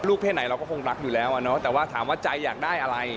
เพศไหนเราก็คงรักอยู่แล้วอ่ะเนาะแต่ว่าถามว่าใจอยากได้อะไร